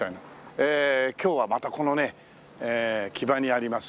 ええ今日はまたこのね木場にあります